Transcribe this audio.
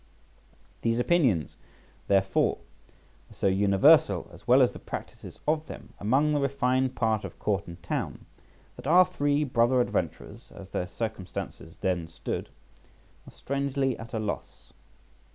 These opinions, therefore, were so universal, as well as the practices of them, among the refined part of court and town, that our three brother adventurers, as their circumstances then stood, were strangely at a loss.